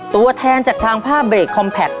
ตัวแทนจากทางภาพเบรกคอมแพค